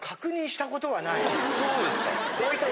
そうですか。